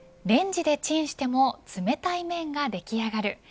レンジでチンしても冷たい麺ができ上がる。